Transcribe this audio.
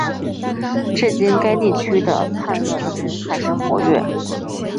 至今该地区的叛乱军还是活跃。